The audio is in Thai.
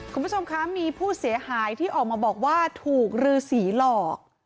คุณผู้ชมคะมีผู้เสียหายที่ออกมาบอกว่าถูกรือสีหลอก